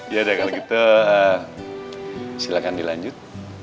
ya udah kalau gitu silahkan dilanjut